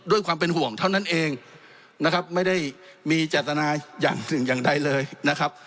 ด้วยความเป็นห่วงเท่านั้นเองนะครับไม่ได้มีเจตนาอย่างสิ่งอย่างใดเลยนะครับ